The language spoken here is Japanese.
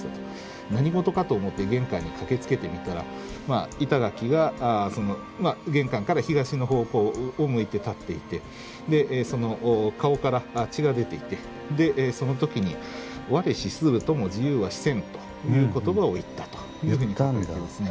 何事かと思って玄関に駆けつけてみたら板垣が玄関から東の方向を向いて立っていてでその顔から血が出ていてでその時に「我死するとも自由は死せん」という言葉を言ったというふうに書かれていますね。